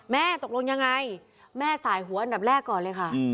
ตกลงยังไงแม่สายหัวอันดับแรกก่อนเลยค่ะ